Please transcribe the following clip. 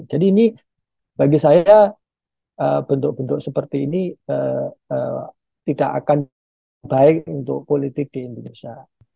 jadi ini bagi saya bentuk bentuk seperti ini tidak akan baik untuk politik di indonesia